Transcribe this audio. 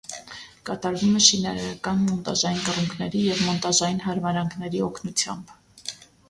Կատարվում է շինարարական մոնտաժային կռունկների և մոնտաժային հարմարանքների օգնությամբ։